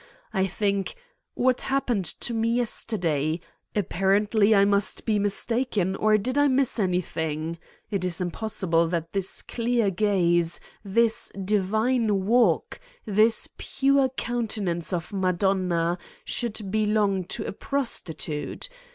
I think: what happened to me yesterday? Ap parently, I must be mistaken or did I miss any thing? It is impossible that this clear gaze, this divine walk, this pure countenance of Madonna should belong to a prostitute.